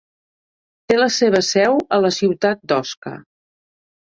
Té la seva seu a la ciutat d'Osca.